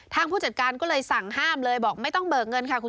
อ๋อยายก็เลยให้เขาดู